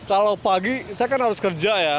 kalau pagi saya kan harus kerja ya